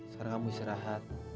sekarang kamu istirahat